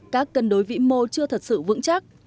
các cân đối vĩ mô chưa thật sự vững chắc